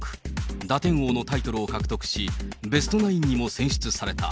打点王のタイトルを獲得し、ベストナインにも選出された。